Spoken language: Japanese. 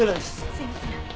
すみません。